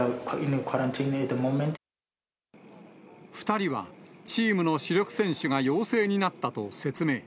２人はチームの主力選手が陽性になったと説明。